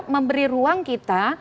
memberi ruang kita